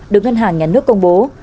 được ngân hàng nhà nước công bố